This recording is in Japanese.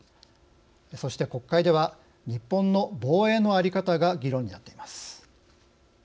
そして国会では日本の防衛の在り方が議論になっています。